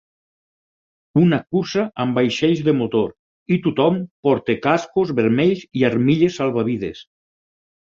Una cursa amb vaixells de motor i tothom porta cascos vermells i armilles salvavides.